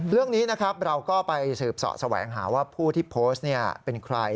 เรื่องนี้นะครับเราก็ไปสืบเสาะแสวงหาว่าผู้ที่โพสต์เป็นใคร